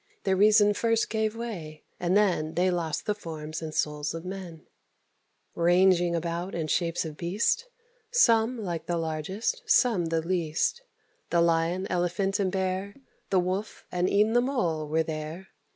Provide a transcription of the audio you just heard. Their reason first gave way; and then They lost the forms and souls of men, Ranging about in shapes of beast, Some like the largest, some the least: The lion, elephant, and bear, The wolf, and e'en the mole, were there.